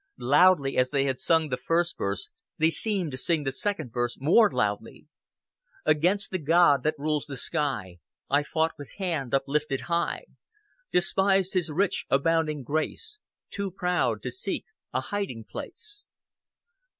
Loudly as they had sung the first verse they seemed to sing the second verse more loudly. "Against the God that rules the sky, I fought with hand uplifted high; Despised His rich abounding grace, Too proud to seek a hiding place."